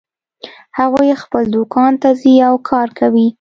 هغوی خپل دوکان ته ځي او کار کوي